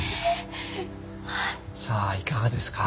さあいかがですか？